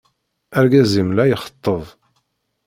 Argaz-im la ixeṭṭeb.